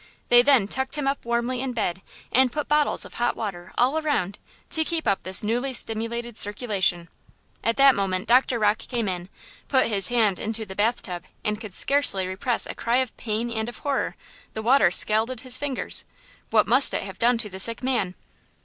They then tucked him up warmly in bed and put bottles of hot water all around, to keep up this newly stimulated circulation. At that moment Dr. Rocke came in, put his hand into the bath tub and could scarcely repress a cry of pain and of horror–the water scalded his fingers! What must it have done to the sick man?